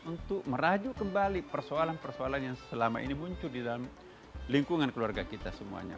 untuk meraju kembali persoalan persoalan yang selama ini muncul di dalam lingkungan keluarga kita semuanya